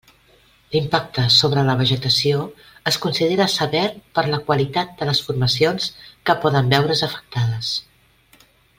L'impacte sobre la vegetació es considera sever per la qualitat de les formacions que poden veure's afectades.